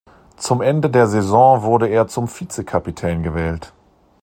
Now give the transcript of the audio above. Zum Ende der Saison wurde er zum Vize-Kapitän gewählt.